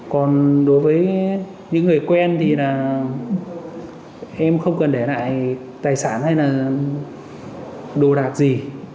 còn đối với những người quen thì là em không cần để lại tài sản hay là đồ đạc gì